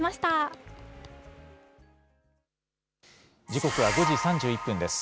時刻は５時３１分です。